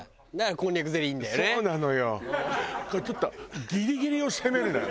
こうちょっとギリギリを攻めるのよ。